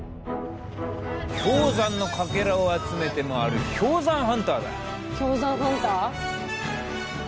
氷山のかけらを集めて回る氷山ハンター？